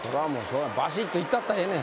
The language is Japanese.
ばしっといったったらええねん。